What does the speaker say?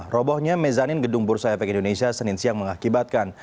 robohnya mezanin gedung bursa efek indonesia senin siang mengakibatkan